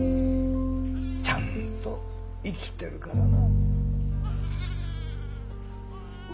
ちゃんと生きてるからな。